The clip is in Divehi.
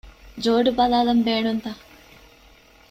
ޖޯޑު ބަލާލަން ބޭނުންތަ؟